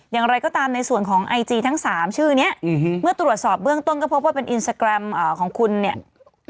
อย่างไรก็ตามในส่วนของไอจีทั้ง๓ชื่อนี้เมื่อตรวจสอบเบื้องต้นก็พบว่าเป็นอินสตาแกรมของคุณเนี่ย